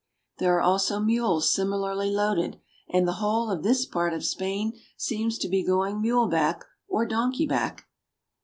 There are also mules similarly loaded, and the whole of this part of Spain seems to be going mule back or donkey back.